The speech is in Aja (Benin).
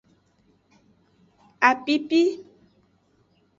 Apipi.